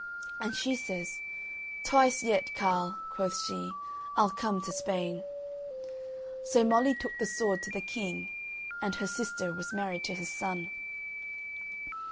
And she says "Twice yet, carle," quoth she, "I'll come to Spain." So Molly took the sword to the king, and her sister was married to his son.